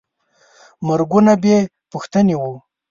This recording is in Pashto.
مرګونه بېپوښتنې وو.